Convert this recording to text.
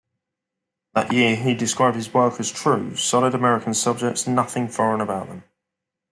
That year he described his work as true, solid American subjects-nothing foreign about them.